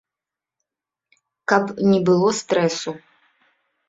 Каб не было стрэсу!